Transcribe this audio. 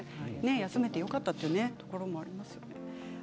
休めてよかったというところもありますね。